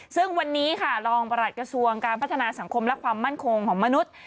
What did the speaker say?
ซึ่งวันนี้ค่ะรองประหลัดกระทรวงการพัฒนาสังคมและความมั่นคงของมนุษย์